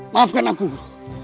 maafkan aku guru